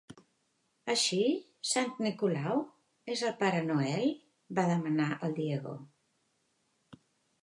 Així Sant Nicolau és el Pare Noel? —va demanar el Diego—